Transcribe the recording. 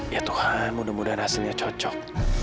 ya tuhan mudah mudahan hasilnya cocok